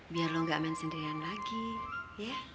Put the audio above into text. biar lo gak main sendirian lagi ya